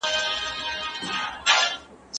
د دلارام ښوونځی د پوهنې د رڼا لویه منبع ده